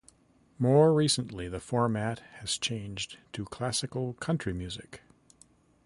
More recently the format has changed to classic country music.